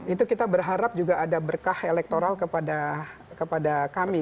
itu kita berharap juga ada berkah elektoral kepada kami